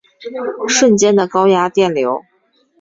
瞬间的高压电流